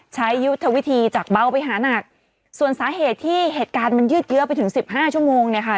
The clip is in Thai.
ใช้ยุทธวิธีจากเบาไปหานักส่วนสาเหตุที่เหตุการณ์มันยืดเยอะไปถึงสิบห้าชั่วโมงเนี่ยค่ะ